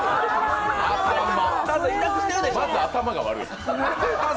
まず、頭が悪い。